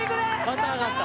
また上がった。